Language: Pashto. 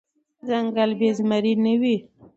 ځنګل بی زمري نه وي .